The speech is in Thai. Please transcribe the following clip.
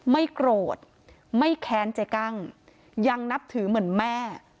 ไม่โกรธไม่แค้นเจ๊กั้งยังนับถือเหมือนแม่